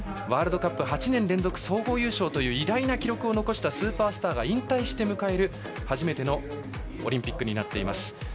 ワールドカップ８年連続総合優勝という偉大な記録を残したスーパースターが引退して迎える、初めてのオリンピックになっています。